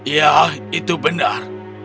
ya itu benar